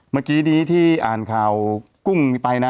เมื่อกี้นี้ที่อ่านข่าวกุ้งนี้ไปนะ